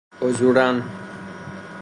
حضوراً